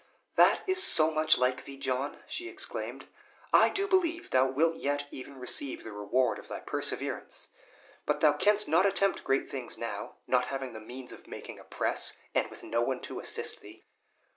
"That is so much like thee, John!" she exclaimed. "I do believe thou wilt yet even receive the reward of thy perseverance; but thou canst not attempt great things now, not having the means of making a press, and with no one to assist thee."